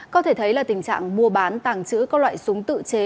có thể thấy là tình trạng mua bán tàng trữ các loại súng tự chế